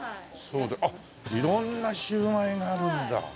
あっ色んなシューマイがあるんだ。